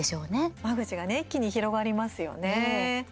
間口が一気に広がりますよね。